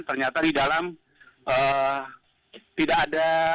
ternyata di dalam tidak ada